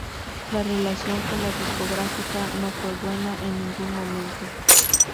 La relación con la discográfica no fue buena en ningún momento.